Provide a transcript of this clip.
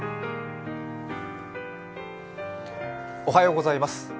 おはようございます。